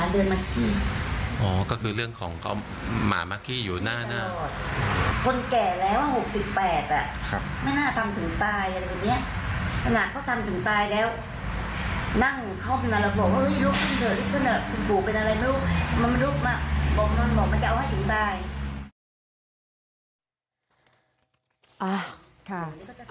ลูกมะบ่งนอนหมดมันจะเอาให้ถึงตาย